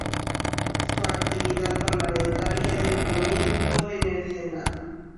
Su actividad parlamentaria dio comienzo en el Senado.